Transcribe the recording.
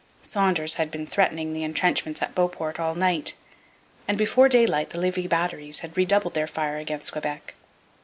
Saunders had been threatening the entrenchments at Beauport all night, and before daylight the Levis batteries had redoubled their fire against Quebec.